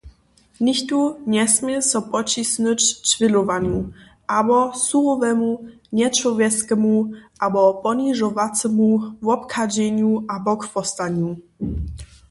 Nichtó njesmě so podćisnyć ćwělowanju abo surowemu, nječłowjeskemu abo ponižowacemu wobchadźenju abo chłostanju.